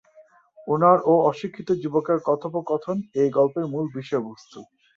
উনার ও অশিক্ষিত যুবক এর কথোপকথন এ গল্পের মূল বিষয় বস্তু।